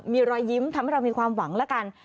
มีรอยยิ้มทำให้เรามีความหวังแล้วกัน